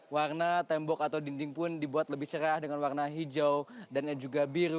warna tembok atau dinding pun dibuat lebih cerah dengan warna hijau dan juga biru